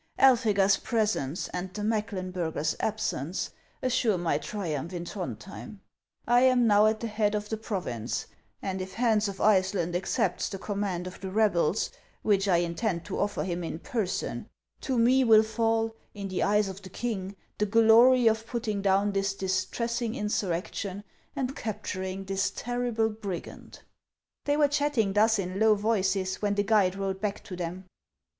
Elphega's presence and the Mecklenburger's absence assure my triumph in Throndhjem. I ana now at the head of the province ; and if Hans of Iceland accepts the command of the rebels, which I intend to offer him in person, to me will fall, in the eyes of the king, the glory of putting down this distressing insurrection and capturing this terrible brigand." They were chatting thus in low voices when the guide rode back to them.